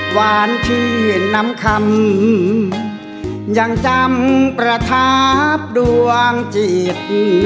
หวานชื่นน้ำคำยังจำประทับดวงจิต